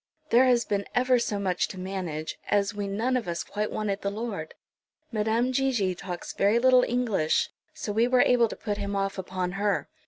There has been ever so much to manage, as we none of us quite wanted the Lord. Madame Gigi talks very little English, so we were able to put him off upon her."